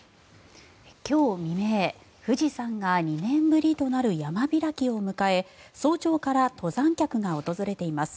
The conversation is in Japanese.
今日未明、富士山が２年ぶりとなる山開きを迎え早朝から登山客が訪れています。